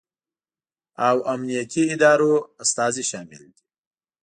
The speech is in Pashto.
او امنیتي ادارو استازي شامل دي